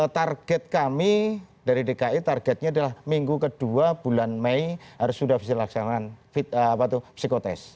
target kami dari dki targetnya adalah minggu kedua bulan mei harus sudah bisa dilaksanakan psikotest